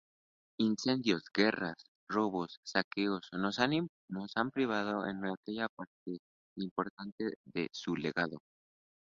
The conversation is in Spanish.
Incendios, guerras, robos, saqueos, nos han privado de una parte importante de su legado.